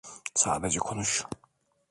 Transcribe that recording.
Sadece konuş.